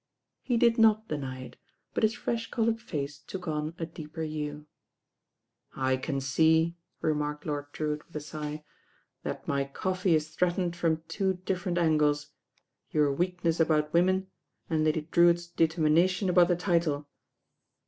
He did not deny it; but his fresh coloured face took on a deeper hue. "I can see," remarked Lord Drewitt with a sigh, "that my coffee is threatened from two different angles: your weakness about women, and Lady Drewitt's determination about the title.